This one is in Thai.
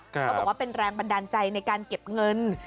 เขาบอกว่าเป็นแรงบันดาลใจในการเก็บเงิน